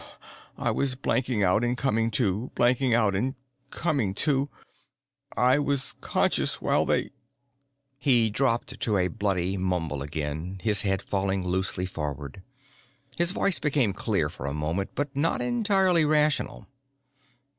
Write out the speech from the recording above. I was blanking out and coming to, blanking out and coming to; I was conscious while they " He dropped to a bloody mumble again, his head falling forward loosely. His voice became clear for a moment, but not entirely rational.